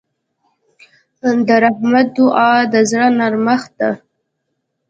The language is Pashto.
د رحمت دعا د زړه نرمښت ده.